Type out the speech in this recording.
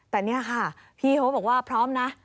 แต่นี่ค่ะพี่เขาบอกว่าพร้อมนะ